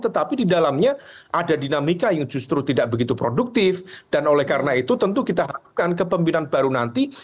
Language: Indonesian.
tetapi di dalamnya ada dinamika yang justru tidak begitu produktif dan oleh karena itu tentu kita harapkan kepemimpinan baru nanti